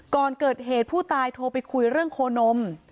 ก่อนเกิดเหตุผู้ตายโทรไปคุยเรื่องโคนม